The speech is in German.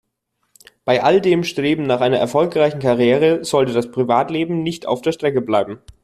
Bei all dem Streben nach einer erfolgreichen Karriere sollte das Privatleben nicht auf der Strecke bleiben.